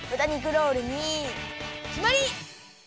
ロールにきまり！